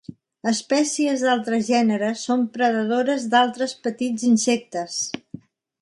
Espècies d'altres gèneres són predadores d'altres petits insectes.